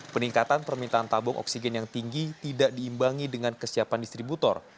peningkatan permintaan tabung oksigen yang tinggi tidak diimbangi dengan kesiapan distributor